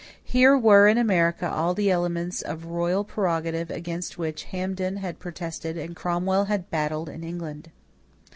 Here were in America all the elements of royal prerogative against which Hampden had protested and Cromwell had battled in England.